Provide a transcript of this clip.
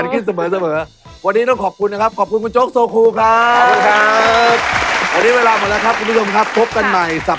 เป็นคุณคนที่ชอบสร้างปฏิหาร